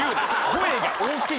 声が大きい。